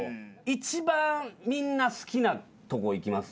一番みんな好きなとこいきます？